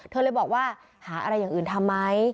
เธอเลยบอกว่าหาอะไรอย่างอื่นทำไหม